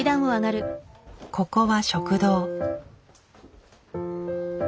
ここは食堂。